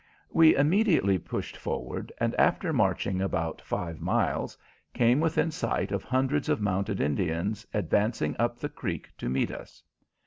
We immediately pushed forward, and after marching about five miles came within sight of hundreds of mounted Indians advancing up the creek to meet us.